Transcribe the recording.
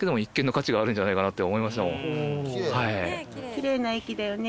きれいな駅だよね。